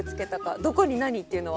どこに何っていうのは。